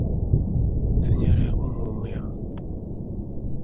tinyere ụmụ-ụmụ ya